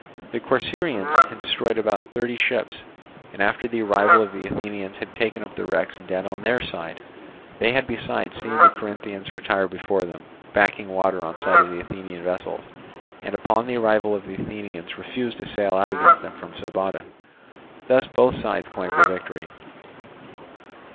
The Corcyraeans had destroyed about thirty ships, and after the arrival of the Athenians had taken up the wrecks and dead on their side; they had besides seen the Corinthians retire before them, backing water on sight of the Athenian vessels, and upon the arrival of the Athenians refuse to sail out against them from Sybota. Thus both sides claimed the victory.